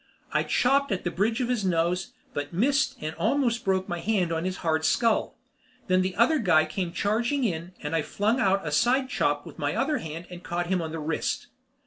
I chopped at the bridge of his nose but missed and almost broke my hand on his hard skull. Then the other guy came charging in and I flung out a side chop with my other hand and caught him on the wrist.